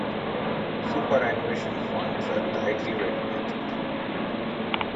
Superannuation funds are tightly regulated.